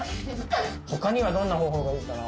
他にはどんな方法がいいかな？